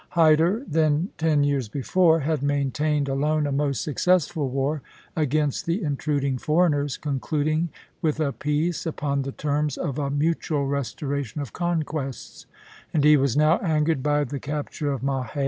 Hyder, ten years before, had maintained alone a most successful war against the intruding foreigners, concluding with a peace upon the terms of a mutual restoration of conquests; and he was now angered by the capture of Mahé.